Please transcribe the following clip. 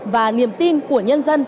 và niềm tin của nhân dân